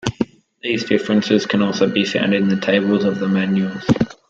These differences can also be found in the tables of the manuals.